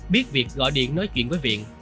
biết việc gọi điện nói chuyện với viện